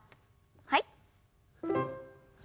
はい。